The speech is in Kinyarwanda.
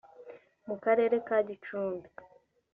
mu Karere ka Gicumbi